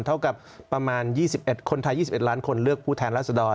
เท่ากับประมาณ๒๑คนไทย๒๑ล้านคนเลือกผู้แทนราษฎร